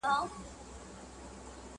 آخر به وار پر سینه ورکړي.!